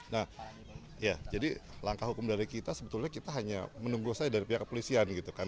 nah ya jadi langkah hukum dari kita sebetulnya kita hanya menunggu saja dari pihak kepolisian gitu kan